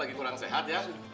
lagi kurang sehat ya